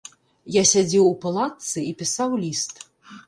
Я сядзеў у палатцы і пісаў ліст.